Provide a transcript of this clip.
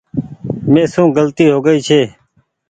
ميسو گلتي هوگئي ڇي